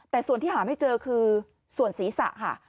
แต่ส่วนที่หาไม่เจอคือส่วนศีรษะค่ะ